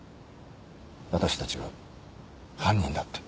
私たちが犯人だって。